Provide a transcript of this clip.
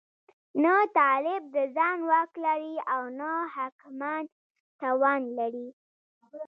نه طالب د ځان واک لري او نه حاکمان توان لري.